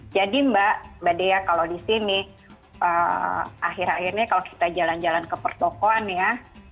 jadi mbak mbak dea kalau di sini akhir akhirnya kalau kita jalan jalan ke pertokoan ya